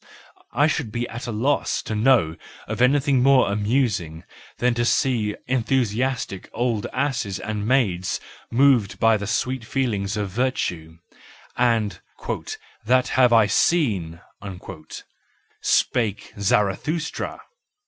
I should be at a loss to know of anything more amusing than to see enthusiastic old asses and maids moved by the sweet feelings of virtue: and " that have I seen "—spake Zara thustra.